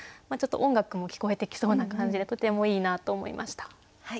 ちょっと音楽も聞こえてきそうな感じでとてもいいなと思いました。